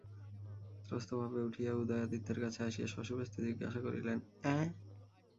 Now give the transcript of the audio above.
ত্রস্তভাবে উঠিয়া উদয়াদিত্যের কাছে আসিয়া শশব্যস্তে জিজ্ঞাসা করিলেন, অ্যাঁ।